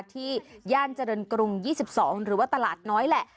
ย่านเจริญกรุง๒๒หรือว่าตลาดน้อยแหละ